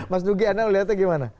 mas nugi anda melihatnya gimana